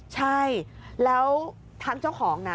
ใช่แล้วทางเจ้าของนะ